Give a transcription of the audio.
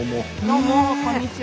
どうもこんにちは。